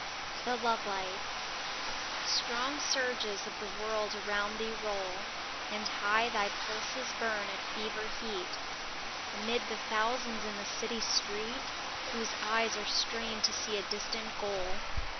XLhc Xoveliobt TRONG surges of the world around thee roll And high thy pulses burn at fever heat Amid the thousands in the city street Whose eyes are strained to see a distant goal.